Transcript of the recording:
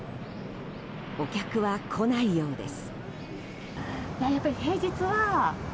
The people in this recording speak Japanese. お客は来ないようです。